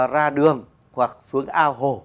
ra đường hoặc xuống ao hồ